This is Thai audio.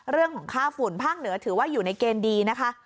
เรื่องของค่าฝุ่นภาคเหนือถือว่าอยู่ในเกณฑ์ดีนะคะ